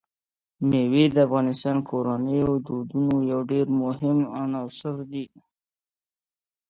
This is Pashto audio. مېوې د افغان کورنیو د دودونو یو ډېر مهم عنصر دی.